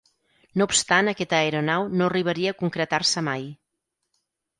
No obstant aquesta aeronau no arribaria a concretar-se mai.